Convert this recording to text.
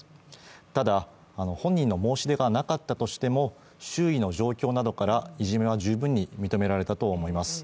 ただ、本人の申し出がなかったとしても、周囲の状況などからいじめは十分に認められたと思います。